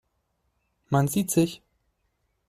Man sieht sich.